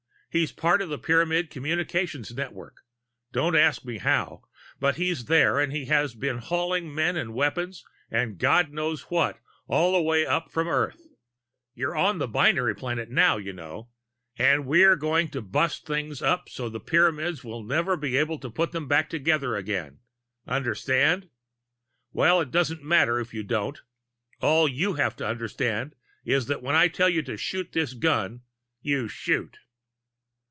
He's part of the Pyramid communications network don't ask me how. But he's there and he has been hauling men and weapons and God knows what all up from Earth you're on the binary planet now, you know and we're going to bust things up so the Pyramids will never be able to put them back together again. Understand? Well, it doesn't matter if you don't. All you have to understand is that when I tell you to shoot this gun, you shoot."